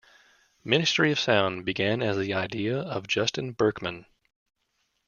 Ministry of Sound began as the idea of Justin Berkmann.